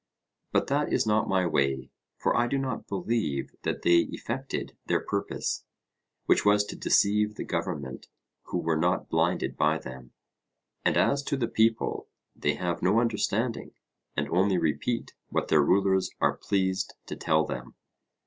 But that is not my way, for I do not believe that they effected their purpose, which was to deceive the government, who were not blinded by them; and as to the people, they have no understanding, and only repeat what their rulers are pleased to tell them.